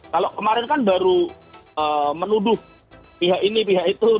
kalau kemarin kan baru menuduh pihak ini pihak itu